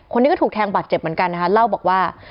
คนนี้ก็ถูกแทงบาดเจ็บเหมือนกันนะคะเล่าบอกว่า